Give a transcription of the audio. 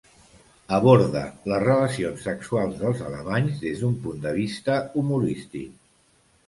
Aborda les relacions sexuals dels alemanys des d'un punt de vista humorístic.